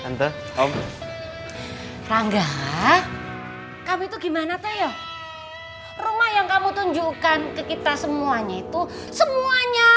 tante om rangga kamu itu gimana teh rumah yang kamu tunjukkan ke kita semuanya itu semuanya